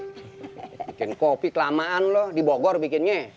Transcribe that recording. bikin kopi kelamaan lu dibogor bikinnya